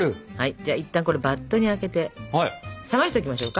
じゃあいったんこれバットにあけて冷ましておきましょうか。